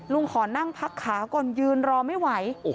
ขอนั่งพักขาก่อนยืนรอไม่ไหว